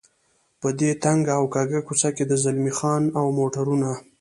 په دې تنګه او کږه کوڅه کې د زلمی خان او موټرونه.